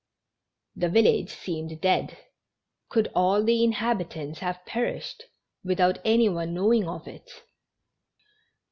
The village seemed dead; could all the inhabitants have perished without any one know ing of it?